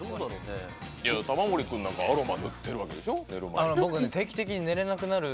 玉森君なんかアロマ塗ってるんでしょ、寝る前。